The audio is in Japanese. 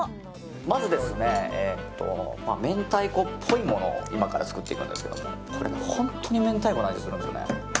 まずですね明太子っぽいものを作っていくんですけどこれ、本当に明太子の味するんですよね。